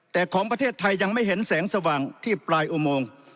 แต่ของประเทศไทยยังไม่เห็นแสงสว่างที่ปลายอุโมง